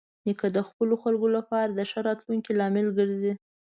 نیکه د خپلو خلکو لپاره د ښه راتلونکي لامل ګرځي.